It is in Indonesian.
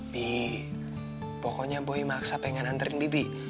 bi pokoknya boy maksa pengen nganterin bibi